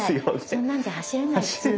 そんなんじゃ走れない普通は。